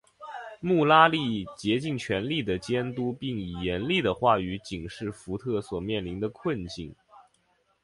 穆拉利竭尽全力地监督并以严厉的话语警示福特所面临的困境。